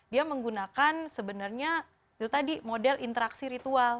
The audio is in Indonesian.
dia menggunakan sebenarnya itu tadi model interaksi ritual